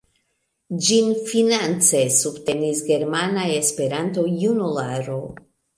Ĝin finance subtenis Germana Esperanto-Junularo.